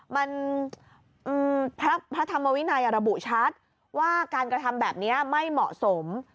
มันพระธรรมวินัยระบุชัดว่าการกระทำแบบนี้ไม่เหมาะสม